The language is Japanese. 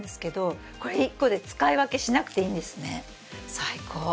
最高。